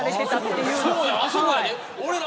そうや、あそこやで。